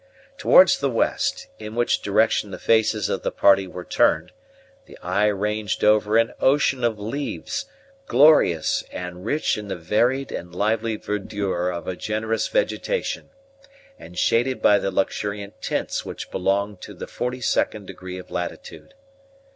Towards the west, in which direction the faces of the party were turned, the eye ranged over an ocean of leaves, glorious and rich in the varied and lively verdure of a generous vegetation, and shaded by the luxuriant tints which belong to the forty second degree of latitude.